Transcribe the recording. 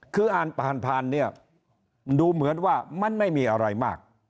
คืออ่านผ่านเนี่ยดูเหมือนว่ามันไม่มีอะไรมาก